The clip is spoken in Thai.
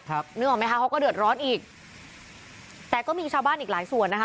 นึกออกไหมคะเขาก็เดือดร้อนอีกแต่ก็มีชาวบ้านอีกหลายส่วนนะคะ